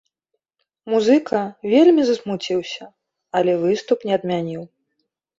Музыка вельмі засмуціўся, але выступ не адмяніў.